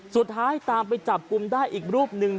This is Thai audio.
สุดท้ายตามไปจับกลุ่มได้อีกรูปหนึ่ง